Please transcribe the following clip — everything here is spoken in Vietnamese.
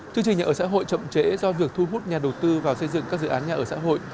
chương trình nhà ở xã hội chậm trễ do việc thu hút nhà đầu tư vào xây dựng các dự án nhà ở xã hội